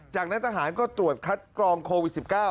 จากนั้นทหารก็ตรวจคัดกรองโควิด๑๙